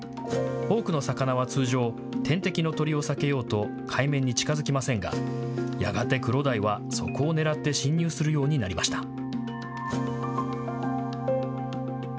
多くの魚は通常、天敵の鳥を避けようと海面に近づきませんがやがてクロダイはそこを狙って侵入するようになりました。